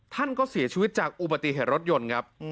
ท่านก็เสียชีวิตจากอุบัติเหตุรถยนต์ครับ